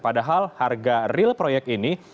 padahal harga real proyek ini